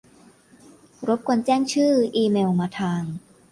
รบกวนแจ้งชื่อ-อีเมลมาทาง